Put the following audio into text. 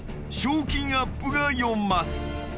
［賞金アップが４ます］